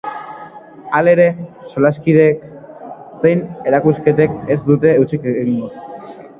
Halere, solasaldiek zein erakusketek ez dute hutsik egingo.